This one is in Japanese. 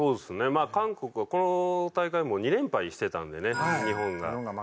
まあ韓国はこの大会も２連敗してたのでね日本が。